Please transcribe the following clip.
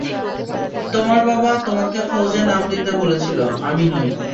তোমার বাবা তোমাকে ফৌজে নাম দিতে বলেছিল, আমি নই।